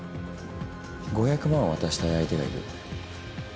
５００万渡したい相手がいる。